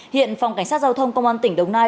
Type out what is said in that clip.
hiện phòng cảnh sát giao thông công an tỉnh đồng nai